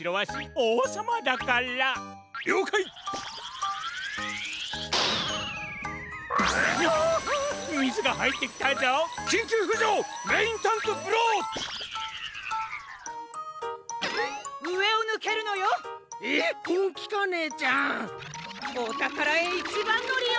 おたからへいちばんのりよ！